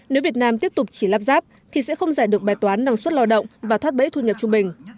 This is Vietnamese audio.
nếu việt nam tiếp tục chỉ lắp ráp thì sẽ không giải được bài toán năng suất lao động và thoát bẫy thu nhập trung bình